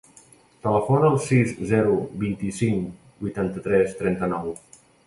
Telefona al sis, zero, vint-i-cinc, vuitanta-tres, trenta-nou.